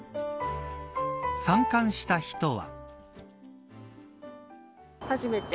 参観した人は。